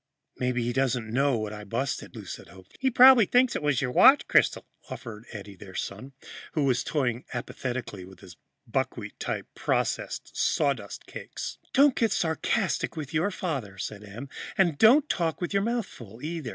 "Maybe he doesn't know what it was I busted," Lou said hopefully. "Probably thinks it was your watch crystal," offered Eddie, their son, who was toying apathetically with his buckwheat type processed sawdust cakes. "Don't get sarcastic with your father," said Em, "and don't talk with your mouth full, either."